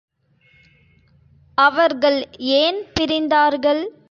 அவர்கள் ஏன் பிரிந்தார்கள்?